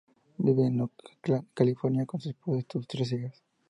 Vive en Oakland, California con su esposa y sus tres hijas.